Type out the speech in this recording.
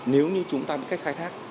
nếu như chúng ta biết cách khai thác